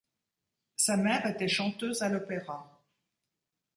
Sa mère était chanteuse à l'opéra.